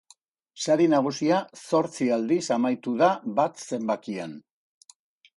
Sari nagusia zortzi aldiz amaitu da bat zenbakian.